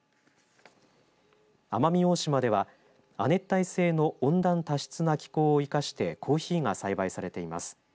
奄美大島では亜熱帯性の温暖多湿な気候を生かしてコーヒーが栽培されています。